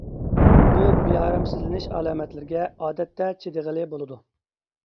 بۇ بىئارامسىزلىنىش ئالامەتلىرىگە ئادەتتە چىدىغىلى بولىدۇ.